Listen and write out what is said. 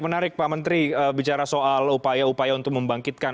menarik pak menteri bicara soal upaya upaya untuk membangkitkan